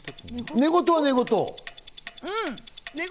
寝言は寝言？